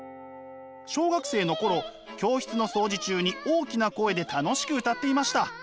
小学生の頃教室の掃除中に大きな声で楽しく歌っていました。